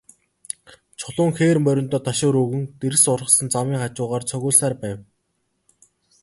Чулуун хээр мориндоо ташуур өгөн, дэрс ургасан замын хажуугаар цогиулсаар байв.